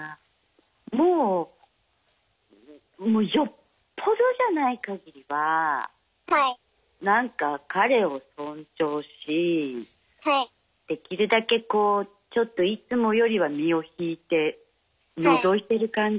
もうよっぽどじゃないかぎりはなんか彼を尊重しできるだけこうちょっといつもよりは身を引いてのぞいてる感じ？